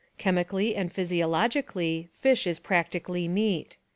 Chemically and physiologically, fish is practically meat.